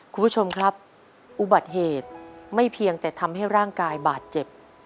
คุณผู้ชมครับอุบัติเหตุไม่เพียงแต่ทำให้ร่างกายบาดเจ็บ